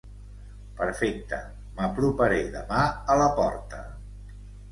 Perfecte, m'aproparé demà a la porta.